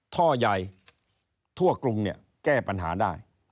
ท่อใหญ่ทั่วกรุงเนี่ยแก้ปัญหาได้